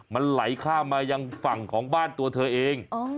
มันไหลข้ามมายังฝั่งของบ้านตัวเธอเอง